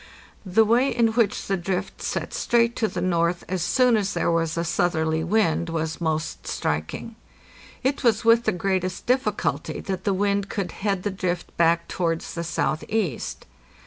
The way in which the drift set straight to the north as soon as there was a southerly wind was most strik ing. It was with the greatest difficulty that the wind could head the drift back towards the southeast.